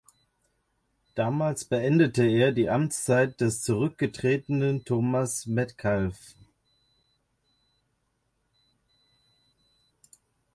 Damals beendete er die Amtszeit des zurückgetretenen Thomas Metcalfe.